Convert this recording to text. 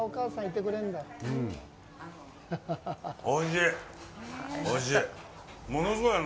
おいしい。